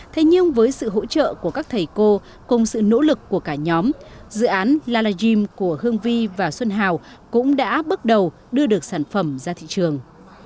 thế nhưng với sự hỗ trợ của các thầy cô cùng sự nỗ lực của cả nhóm dự án live stream của hương vi và xuân hào cũng đã bước đầu đưa được sản phẩm ra thị trường